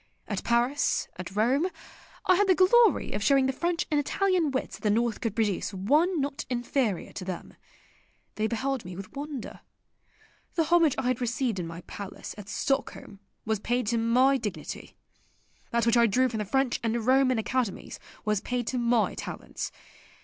At Paris, at Rome I had the glory of showing the French and Italian wits that the North could produce one not inferior to them. They beheld me with wonder. The homage I had received in my palace at Stockholm was paid to my dignity. That which I drew from the French and Roman academies was paid to my talents.